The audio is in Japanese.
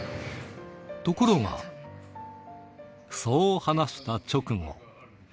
ところが、そう話した直後。